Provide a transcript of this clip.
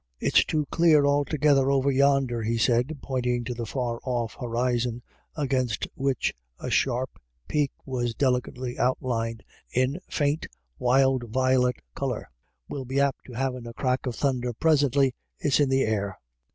" It's too clare altogether over yonder," he said, pointing to the far off horizon, against which a sharp peak was delicately outlined in faint wild violet colour. "We'll be apt to be havin' a crack of thunder prisently ; it's in the air."